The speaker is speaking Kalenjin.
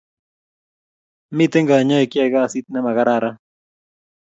Miten kanyaik che yai kasit nemakararan